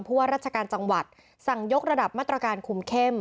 เพราะว่าราชการจังหวัดสั่งยกระดับมาตรการคุมเข้ม